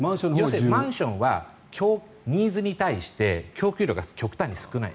要するにマンションはニーズに対して供給量が極端に少ない。